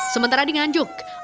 sementara di nganjuk